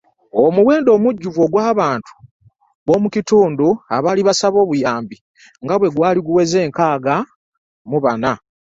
Omuwendo omujjuvu ogw’abantu b’omukitundu abaali basaba obuyambi bwa gwaali guweze nkaaga mu bana.